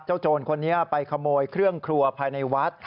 โจรคนนี้ไปขโมยเครื่องครัวภายในวัด